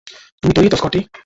তুমি তৈরি তো, স্কটি?